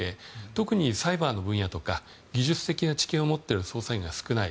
特にサイバーの分野とか技術的な知見を持っている捜査員が少ない。